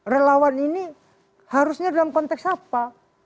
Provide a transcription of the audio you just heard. relawan ini harusnya dalam konteks apa